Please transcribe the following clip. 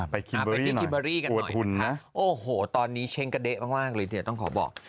ไปกินคิมเบอรี่กันหน่อยโอ้โหตอนนี้เช่นกระเด๊ะมากเลยต้องขอบอก